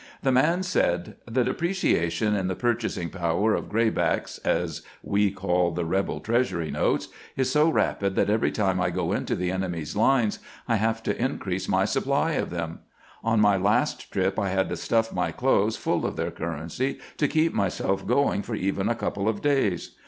The man said :" The depre ciation in the purchasing power of 'graybacks,' as we call the rebel treasury notes, is so rapid that every time I go into the enemy's lines I have to increase my sup ply of them. On my last trip I had to stuff my clothes full of their currency to keep myself going for even a couple of days.